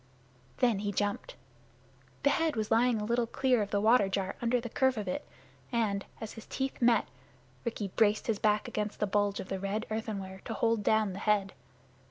Then he jumped. The head was lying a little clear of the water jar, under the curve of it; and, as his teeth met, Rikki braced his back against the bulge of the red earthenware to hold down the head.